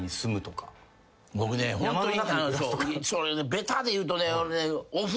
ベタで言うとね。